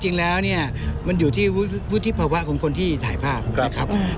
จริงแล้วเนี่ยมันอยู่ที่วุฒิภาวะของคนที่ถ่ายภาพนะครับ